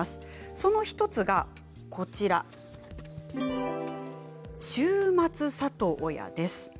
その１つが週末里親です。